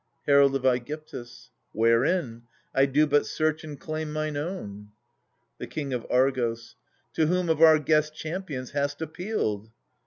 Herald of ^gyptus. Wherein ? I do but search and claim mine own. The King of Argos. To whom of our guest champions hast appealed